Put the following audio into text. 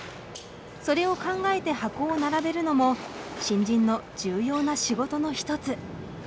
それを考えて箱を並べるのも新人の重要な仕事の一つ。